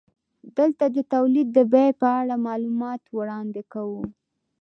دلته د تولید د بیې په اړه معلومات وړاندې کوو